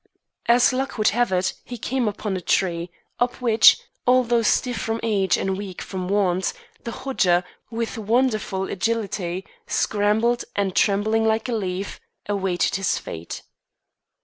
As luck would have it he came upon a tree, up which, although stiff from age and weak from want, the Hodja, with wonderful agility, scrambled and, trembling like a leaf, awaited his fate.